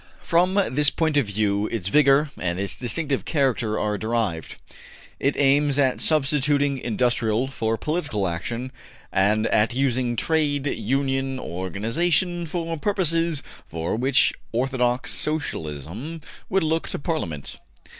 From this point of view its vigor and its distinctive character are derived. It aims at substituting industrial for political action, and at using Trade Union organization for purposes for which orthodox Socialism would look to Parliament.